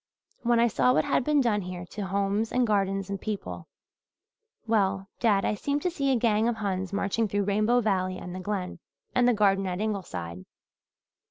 When I saw what had been done here to homes and gardens and people well, dad, I seemed to see a gang of Huns marching through Rainbow Valley and the Glen, and the garden at Ingleside.